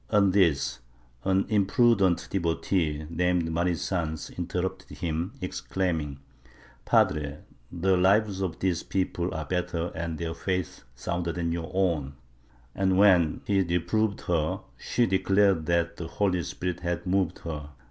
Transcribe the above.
On this, an imprudent devotee, named Mari Sanz, inter rupted him, exclaiming "Padre, the lives of these people are better and their faith sounder than your own" and, when he reproved her, she declared that the Holy Spirit had moved her.